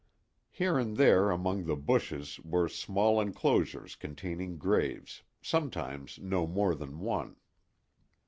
Here and there among the bushes were small inclosures containing graves, sometimes no more than one.